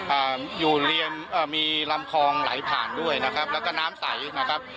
อ่าอยู่เรียมเอ่อมีลำคลองไหลผ่านด้วยนะครับแล้วก็น้ำใสนะครับ